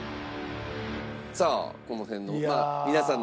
さあこの辺の皆さんの声もね